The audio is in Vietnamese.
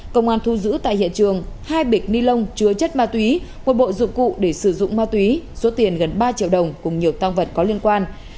công an thu giữ tại hiện trường hai bịch ni lông chứa chất ma túy một bộ dụng cụ để sử dụng ma túy số tiền gần ba triệu đồng cùng nhiều tăng vật có liên quan